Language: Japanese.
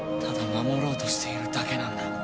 ただ守ろうとしているだけなんだ。